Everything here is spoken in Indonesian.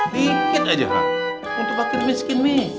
dikit aja ha untuk pake miskin mih